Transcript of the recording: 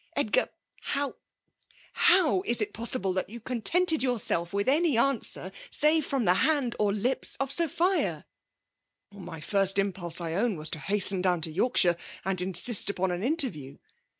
Edgar l ^^hom —how is it possible that you contented yoarfedf AVith any answer save from the band or lips of Sophia?" My first impulse, I own, was to hasten down to Yorkshire, and insist upon an inter view.